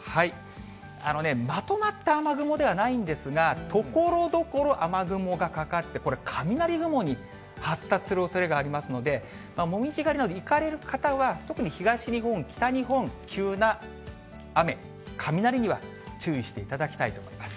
まとまった雨雲ではないんですが、ところどころ雨雲がかかって、これ、雷雲に発達するおそれがありますので、紅葉狩りなど行かれる方は、特に東日本、北日本急な雨、雷には注意していただきたいと思います。